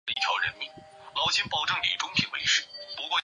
于苍梧县梨埠镇料口村以南汇入东安江。